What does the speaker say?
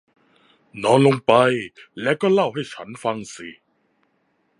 นอนลงไป และก็เล่าให้ฉันฟังสิ